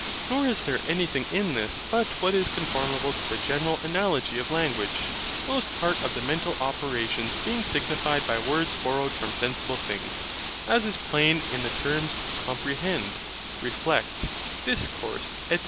'Nor is there anything in this but what is conformable to the general analogy of language; most part of the mental operations being signified by words borrowed from sensible things; as is plain in the terms COMPREHEND, reflect, DISCOURSE, &C.